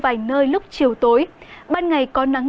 vài nơi lúc chiều tối ban ngày có nắng